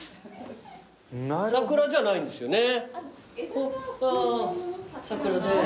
桜じゃないんですよね？